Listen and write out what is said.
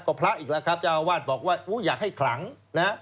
ก็พระอีกแล้วครับเจ้าอาวาสบอกว่าอุ้ยอยากให้ขลังนะ